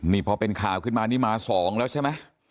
นี่พอเป็นข่าวขึ้นมานี่มา๒แล้วใช่ไหม